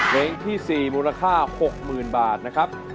เพลงที่สี่มูลค่าหกหมื่นบาทนะครับ